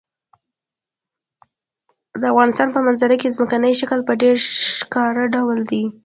د افغانستان په منظره کې ځمکنی شکل په ډېر ښکاره ډول دی.